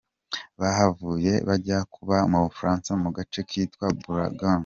Bahavuye bajya kuba mu Bufaransa mu gace kitwa Bourgogne.